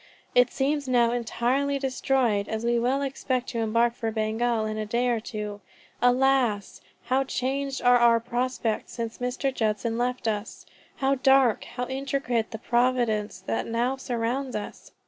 It seems now entirely destroyed, as we all expect to embark for Bengal in a day or two. Alas! how changed are our prospects since Mr. Judson left us! How dark, how intricate the providence that now surrounds us!